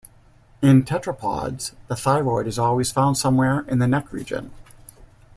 In tetrapods, the thyroid is always found somewhere in the neck region.